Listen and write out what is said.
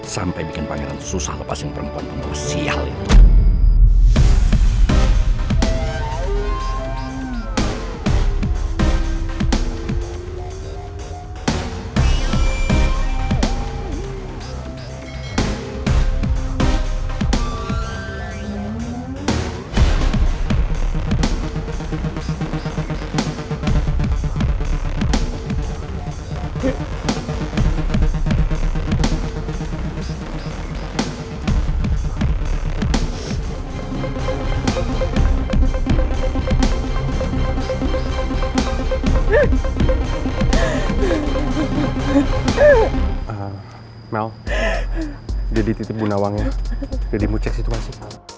sampai jumpa di video selanjutnya